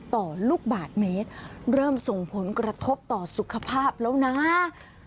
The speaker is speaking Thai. ต่อลูกบาทเมตรเริ่มส่งผลกระทบต่อสุขภาพแล้วนะ